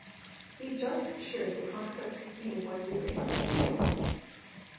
He just shared the concept with me when we were in the studio.